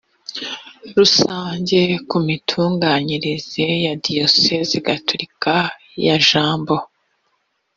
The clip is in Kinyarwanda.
rusange ku mitunganyirize ya diyosezi gatolika ya jomba